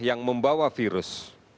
yang membawa virus